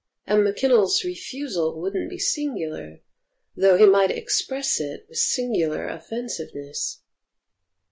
And McKinnell's refusal wouldn't be singular, though he might express it with singular offen siveness.